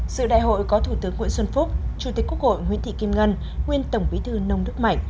sự đại hội có thủ tướng nguyễn xuân phúc chủ tịch quốc hội nguyễn thị kim ngân nguyên tổng bí thư nông đức mạnh